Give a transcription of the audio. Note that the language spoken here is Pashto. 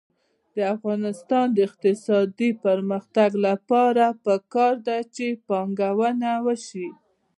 د افغانستان د اقتصادي پرمختګ لپاره پکار ده چې پانګونه وشي.